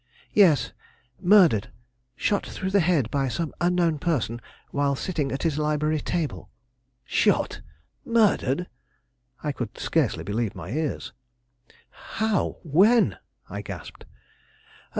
"Yes, murdered; shot through the head by some unknown person while sitting at his library table." "Shot! murdered!" I could scarcely believe my ears. "How? when?" I gasped.